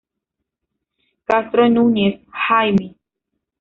Castro Núñez, Jaime.